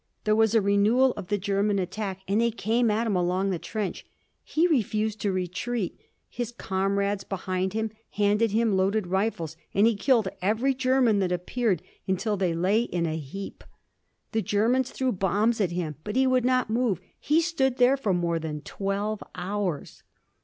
There was a renewal of the German attack, and they came at him along the trench. He refused to retreat. His comrades behind handed him loaded rifles, and he killed every German that appeared until they lay in a heap. The Germans threw bombs at him, but he would not move. He stood there for more than twelve hours!"